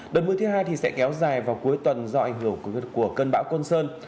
đợt mưa thứ hai sẽ kéo dài vào cuối tuần do ảnh hưởng của cơn bão côn sơn